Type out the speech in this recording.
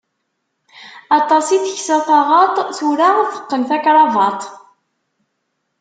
Aṭas i teksa taɣaṭ, tura teqqen takrabaṭ.